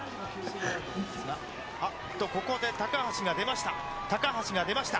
ここで高橋が出ました。